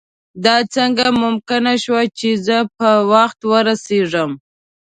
دا څنګه ممکنه شوه چې زه په وخت ورسېږم.